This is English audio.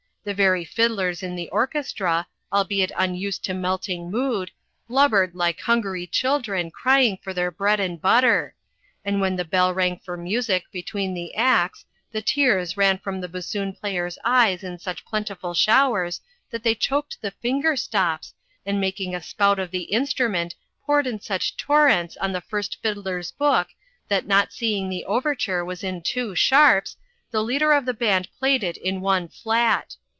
the very fiddlers in the orchestra, albeit unused to melting mood, blubbered like hungry children crying for their bread and butter! and when the bell rang for music between the acts the tears ran from the bassoon players' eyes in such plentiful showers that they choked the finger stops, and making a spout of the instrument poured in such torrents on the first fiddler's book that not seeing the overture was in two sharps, the leader of the band played it in one flat.